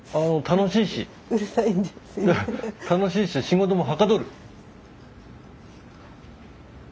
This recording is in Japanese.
楽しいし仕事もはかどる。